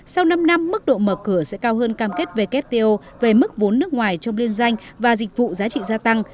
sau năm năm mức độ mở cửa sẽ cao hơn cam kết wto về mức vốn nước ngoài trong liên doanh và dịch vụ giá trị gia tăng